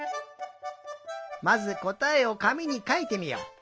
まずこたえをかみにかいてみよう。